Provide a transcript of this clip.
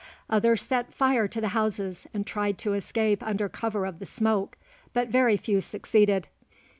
Others set fire to the houses and tried to escape under cover of the smoke; but very few succeeded.